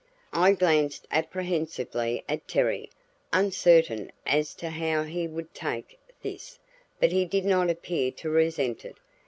I glanced apprehensively at Terry, uncertain as to how he would take this; but he did not appear to resent it.